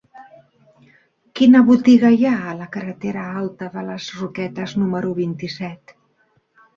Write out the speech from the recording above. Quina botiga hi ha a la carretera Alta de les Roquetes número vint-i-set?